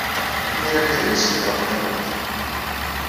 Imir-a kan ay as-greɣ tamawt.